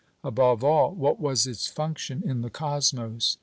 Above all, what was its function in the cosmos?